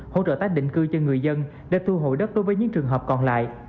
hỗ trợ tái định cư cho người dân để thu hội đất đối với những trường hợp còn lại